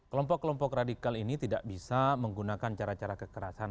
kelompok kelompok radikal ini tidak bisa menggunakan cara cara kekerasan